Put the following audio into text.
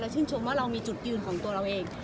ชื่นชมว่าเรามีจุดยืนของตัวเราเอง